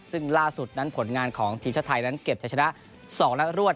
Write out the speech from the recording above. ซึ่งล่าสุดนั้นผลงานของทีมชาติไทยนั้นเก็บจะชนะ๒นัดรวด